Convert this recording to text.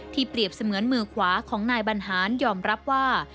เปรียบเสมือนมือขวาของนายบรรหารยอมรับว่า